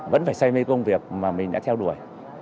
vẫn phải say mê công việc mà mình đã theo đuổi